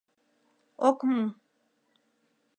Ок му.